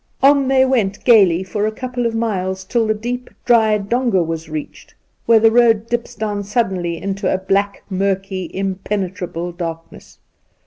On they w^ent gaily for a couple of miles till the deep, dry donga was reached, where the road dips down suddenly into a black, murky, impenetrable darkness.